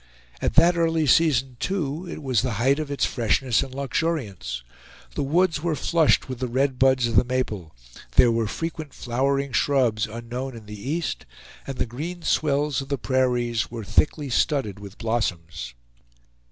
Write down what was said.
At that early season, too, it was in the height of its freshness and luxuriance. The woods were flushed with the red buds of the maple; there were frequent flowering shrubs unknown in the east; and the green swells of the prairies were thickly studded with blossoms.